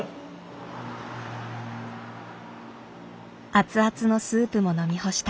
熱々のスープも飲み干した。